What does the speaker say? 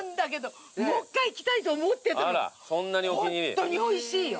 ホントにおいしいよ。